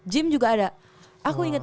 gym juga ada aku inget